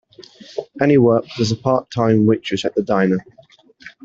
Annie works as a part-time Waitress at the diner.